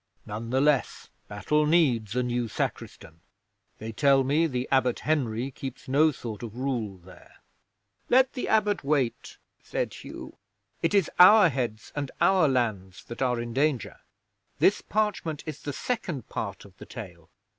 None the less Battle needs a new Sacristan. They tell me the Abbot Henry keeps no sort of rule there." '"Let the Abbot wait," said Hugh. "It is our heads and our lands that are in danger. This parchment is the second part of the tale.